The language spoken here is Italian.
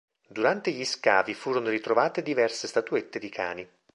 Durante gli scavi furono ritrovate diverse statuette di cani.